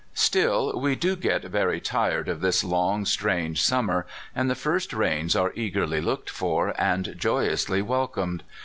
Still we do get very tired of this long, strange sum mer, and the first rains are eagerly looked for and joyously welcomed.